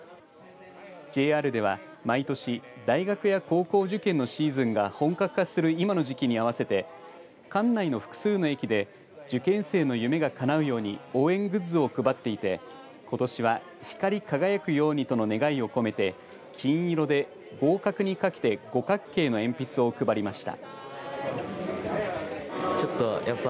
ＪＲでは、毎年大学や高校受験のシーズンが本格化する今の時期に合わせて管内の複数の駅で受験生の夢が、かなうように応援グッズを配っていてことしは光り輝くようにとの願いを込めて金色で合格にかけて五角形の鉛筆を配りました。